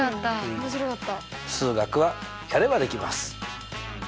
数学はやればできます！